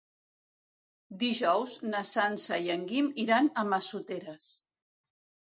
Dijous na Sança i en Guim iran a Massoteres.